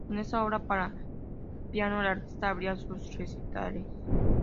Con esta obra para piano la artista abría sus recitales.